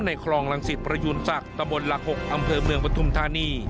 ในคลองรังศิษฐ์ประยุณศักดิ์ตะบนหลัก๖อำเภอเมืองบทมธานี